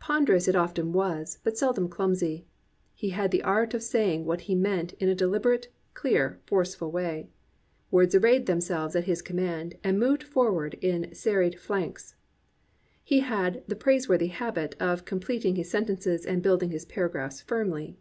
Ponderous it often was, but seldom clumsy. He had the art of saying what he meant in a deliber ate, clear, forceful way. Words arrayed themselves at his command and moved forward in serried pha lanx. He had the praiseworthy habit of completing his sentences and building his paragraphs firmly.